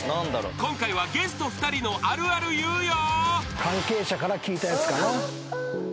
［今回はゲスト２人のあるある言うよ］